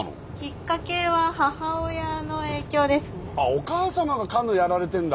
お母様がカヌーやられてるんだ。